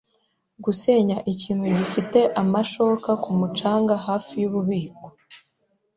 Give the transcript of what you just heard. gusenya ikintu gifite amashoka ku mucanga hafi yububiko